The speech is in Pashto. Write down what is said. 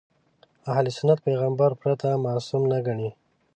اهل سنت پیغمبر پرته معصوم نه ګڼي.